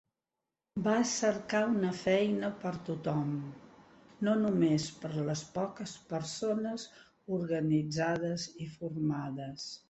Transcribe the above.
Va cercar una feina per tothom, no només per les poques persones organitzades i formades.